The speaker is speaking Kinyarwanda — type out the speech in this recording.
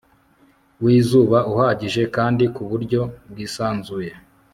wizuba uhagije kandi ku buryo bwisanzuye